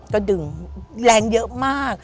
ก็ดึงแรงเยอะมาก